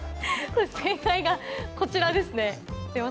正解はこちらですね。